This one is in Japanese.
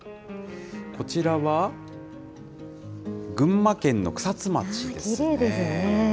こちらは、群馬県の草津町ですね。